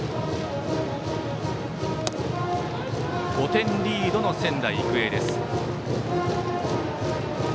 ５点リードの仙台育英。